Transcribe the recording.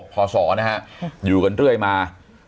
พศนะฮะอยู่กันเรื่อยมา